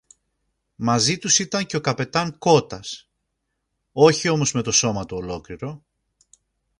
Μαζί τους ήταν και ο καπετάν-Κώττας, όχι όμως με το σώμα του ολόκληρο